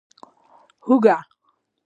🧄 اوږه